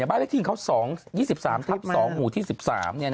ใบเลขที่เขา๒๒๓ทับ๒หมู่ที่๑๓เนี่ยนะ